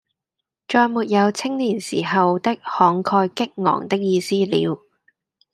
再沒有青年時候的慷慨激昂的意思了。